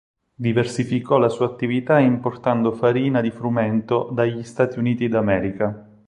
Diversificò la sua attività importando farina di frumento dagli Stati Uniti d'America.